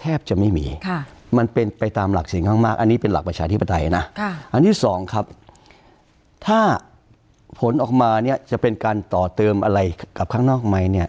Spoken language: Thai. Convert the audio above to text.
แทบจะไม่มีมันเป็นไปตามหลักเสียงข้างมากอันนี้เป็นหลักประชาธิปไตยนะอันที่สองครับถ้าผลออกมาเนี่ยจะเป็นการต่อเติมอะไรกับข้างนอกไหมเนี่ย